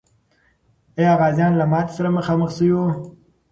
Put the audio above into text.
آیا غازیان له ماتي سره مخامخ سوي و؟